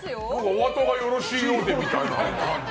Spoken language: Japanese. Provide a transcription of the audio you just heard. おあとがよろしいようでみたいな。